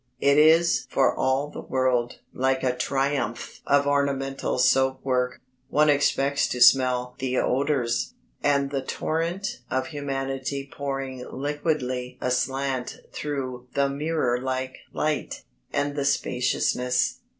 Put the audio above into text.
It is for all the world like a triumph of ornamental soap work; one expects to smell the odours. And the torrent of humanity pouring liquidly aslant through the mirror like light, and the spaciousness....